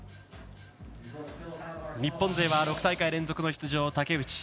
日本勢は６大会連続の出場、竹内。